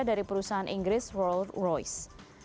dari perusahaan inggris roll royce